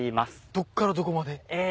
どっからどこまで？